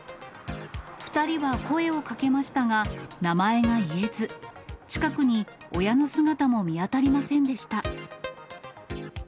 ２人は声をかけましたが、名前が言えず、近くに親の姿も見当たりませんでした。